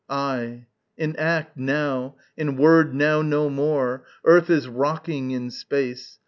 _ Ay! in act now, in word now no more, Earth is rocking in space.